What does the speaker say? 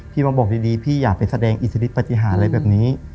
พี่มาบอกดีพี่อย่าไปแสดงอิทธิฤทธิ์ปฏิหารอะไรแบบนี้